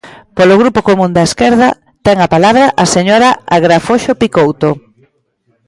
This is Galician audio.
Polo Grupo Común da Esquerda, ten a palabra a señora Agrafoxo Picouto.